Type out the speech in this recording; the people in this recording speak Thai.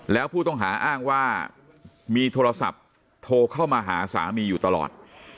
แล้วผู้ต้องหาอ้างว่ามีโทรศัพท์โทรเข้ามาหาสามีอยู่ตลอด